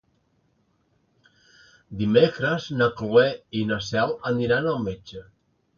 Dimecres na Cloè i na Cel aniran al metge.